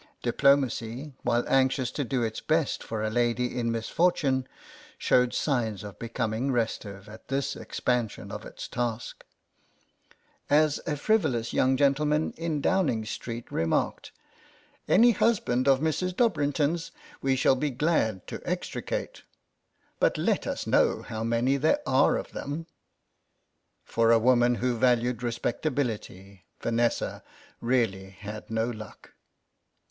Diplomacy, while anxious to do its best for a lady in mis fortune, showed signs of becoming restive CROSS CURRENTS 103 at this expansion of its task ; as a frivolous young gentleman in Downing Street re marked, " Any husband of Mrs. Dobrinton's we shall be glad to extricate, but let us know how many there are of them." For a woman who valued respectability Vanessa really had no luck.